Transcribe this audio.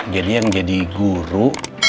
jadi yang jadi guru